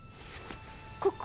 ここ？